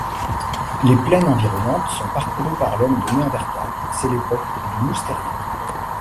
Les plaines environnantes sont parcourues par l'homme de Néandertal, c'est l'époque du Moustérien.